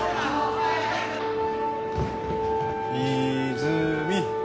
・泉。